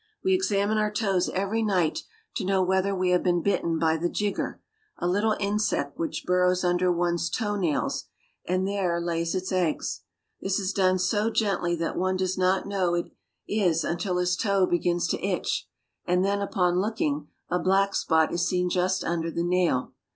We examine our toes every night to know whether we have been bitten by the jigger, a little insect which burrows under one's toe nails and there lays its ABOUT KUKA AND LAKE TCHAD 171 eggs. This is done so gently that one does not know it until his toe begins to itch, and then, upon looking, black spot is seen just under the nail.